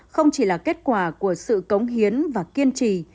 không chỉ là kết quả của sự cống hiến và kiên trì